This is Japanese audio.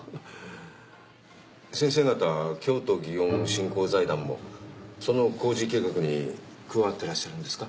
先生方京都祇園振興財団もその工事計画に加わってらっしゃるんですか？